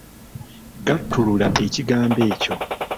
Gattulula ekigambo ekyo.